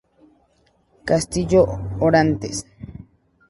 Castillo Orantes.